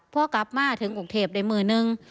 พ่อกราฟมาถึงอุทธิพธิ์ในมือหนึ่ง